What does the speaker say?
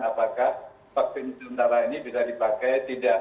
apakah vaksin sementara ini bisa dipakai tidak